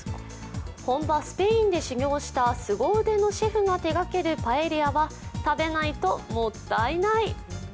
本場スペインで修業したすごうでのシェフが手がけるパエリアは食べないともったいない。